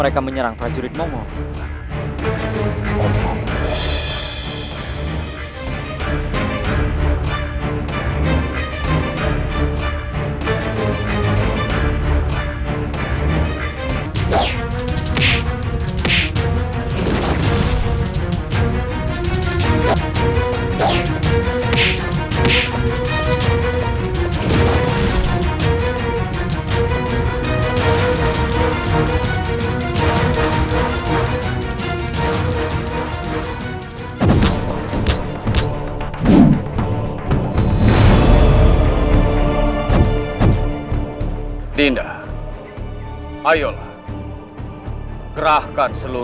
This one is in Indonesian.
kami sahaja mungkin dapat dengarkan itu